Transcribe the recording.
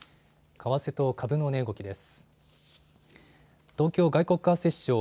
為替と株の値動きです。